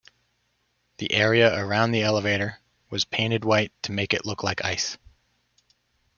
The area around the elevator was painted white to make it look like ice.